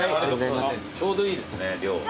ちょうどいいですね量。